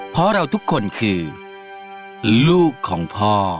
เพราะเราทุกคนคือลูกของพ่อ